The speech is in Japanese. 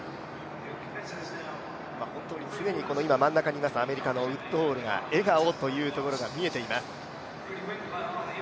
本当に常に今、真ん中にいますアメリカのウッドホールが笑顔が得ています。